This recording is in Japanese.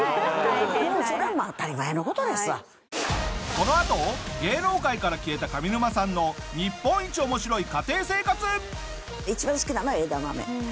このあと芸能界から消えた上沼さんの日本一面白い家庭生活！